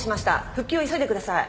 復旧を急いでください。